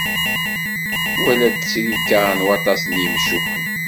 Wala ttrika n waṭas n yimcumen.